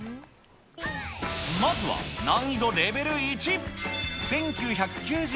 まずは、難易度レベル１。